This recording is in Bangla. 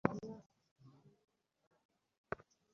আমাকে এয়ারপোর্ট যেতে হবে।